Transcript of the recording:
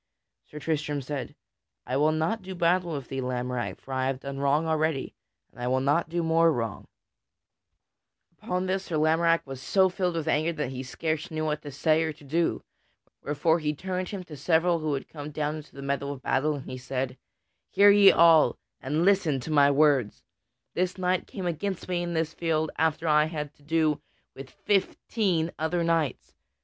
Sir Tristram said: "I will not do battle with thee, Lamorack, for I have done wrong already, and I will not do more wrong." [Sidenote: Sir Lamorack reproves Sir Tristram] Upon this, Sir Lamorack was so filled with anger that he scarce knew what to say or to do. Wherefore he turned him to several who had come down into the meadow of battle, and he said: "Hear ye all, and listen to my words: This knight came against me in this field after I had had to do with fifteen other knights.